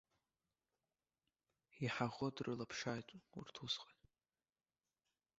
Иҳаӷоу дрылаԥшааит урҭ усҟан!